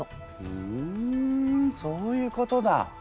ふんそういうことだ。